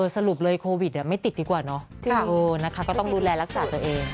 สรุปเลยโควิดไม่ติดดีกว่าเนอะนะคะก็ต้องดูแลรักษาตัวเอง